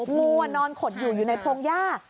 งูวันนอนขดอยู่อยู่ในโพงย่า